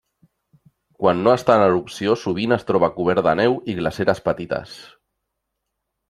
Quan no està en erupció sovint es troba cobert de neu i glaceres petites.